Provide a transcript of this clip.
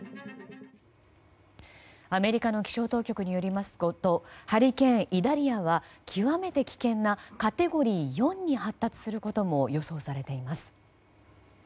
アメリカの気象当局によりますとハリケーン、イダリアは極めて危険なカテゴリー４に発達することも予想されています。